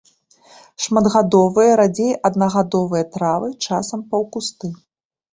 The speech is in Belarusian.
Шматгадовыя, радзей аднагадовыя травы, часам паўкусты.